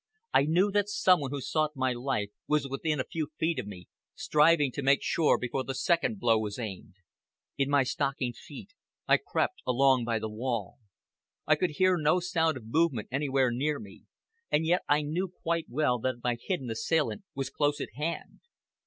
I knew that some one who sought my life was within a few feet of me, striving to make sure before the second blow was aimed. In my stockinged feet I crept along by the wall. I could hear no sound of movement anywhere near me, and yet I knew quite well that my hidden assailant was close at hand.